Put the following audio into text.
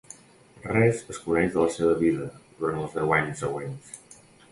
Res es coneix de la seva vida durant els deu anys següents.